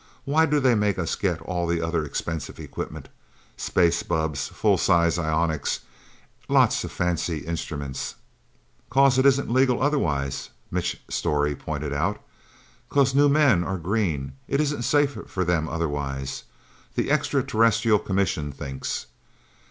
Why do they make us get all that other expensive equipment? Space bubbs, full size ionics, lots of fancy instruments!" "'Cause it isn't legal, otherwise," Mitch Storey pointed out. "'Cause new men are green it isn't safe for them, otherwise the Extra Terrestrial Commission thinks.